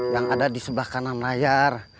yang ada di sebelah kanan layar